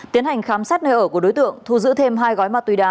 tiến hành khám xét nơi ở của đối tượng thu giữ thêm hai gói ma túy đá